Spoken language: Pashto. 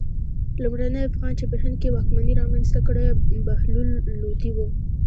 لومړني افغان چې په هند کې واکمني رامنځته کړه بهلول لودی و.